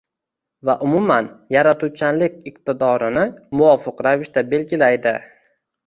va umuman yaratuvchanlik iqtidorini muvofiq ravishda belgilaydi